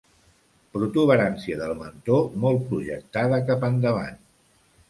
Protuberància del mentó molt projectada cap endavant.